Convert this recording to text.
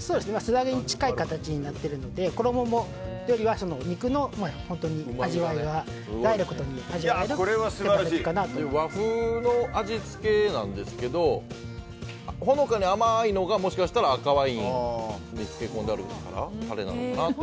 素揚げに近い形になっているので肉の味わいがダイレクトに味わえる和風の味付けなんですけどほのかに甘いのがもしかしたら赤ワインに漬け込んであるからなのかなって。